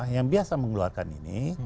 yang biasa mengeluarkan ini